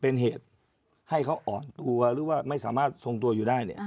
เป็นเหตุให้เขาอ่อนตัวหรือว่าไม่สามารถทรงตัวอยู่ได้เนี่ย